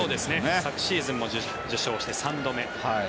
昨シーズンも受賞して３度目。